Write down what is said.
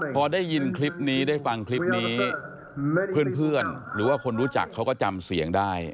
พอได้ยินคลิปนี้ได้ฟังคลิปนี้เพื่อนหรือว่าคนรู้จักเขาก็จำเสียงได้